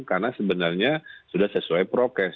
karena sebenarnya sudah sesuai prokes